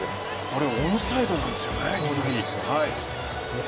これ、オンサイドなんですね。